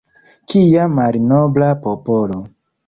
Kia malnobla popolo.